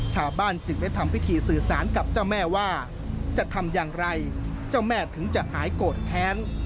ชาวบ้านจึงได้ทำพิธีสื่อสารกับเจ้าแม่ว่าจะทำอย่างไรเจ้าแม่ถึงจะหายโกรธแค้น